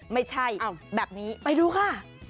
ไม่ใช่แบบนี้ไปดูค่ะ